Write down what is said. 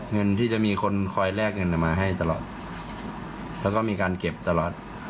เงินที่จะมีคนคอยแลกเงินมาให้ตลอดแล้วก็มีการเก็บตลอด